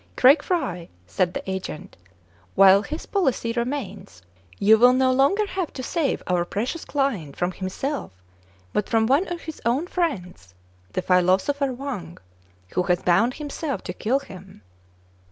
" Craig Fry," said the agent, while his policy remains, you will no longer have to save our pre cious client from himself, but from one of his own friends, the philosopher Wang, who has bound him self to kill him."